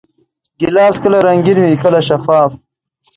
ګیلاس کله رنګین وي، کله شفاف.